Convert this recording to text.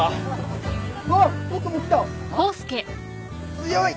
強い！